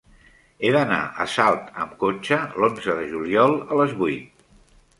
He d'anar a Salt amb cotxe l'onze de juliol a les vuit.